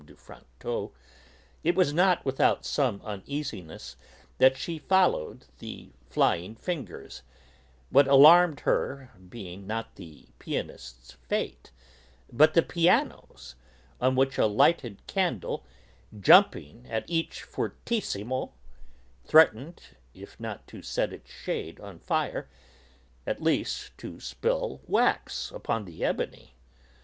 de Franquetot, it was not without some uneasiness that she followed the flying fingers; what alarmed her being not the pianist's fate but the piano's, on which a lighted candle, jumping at each fortissimo, threatened, if not to set its shade on fire, at least to spill wax upon the ebony.